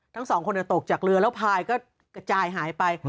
ทั้งสองคนตกจากเรือแล้วพายก็กระจายหายไป